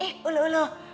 eh uluh uluh